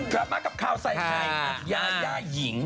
กลับมากับข่าวใส่ไข่กับยายาหญิง